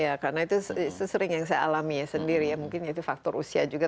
iya karena itu sesering yang saya alami ya sendiri ya mungkin itu faktor usia juga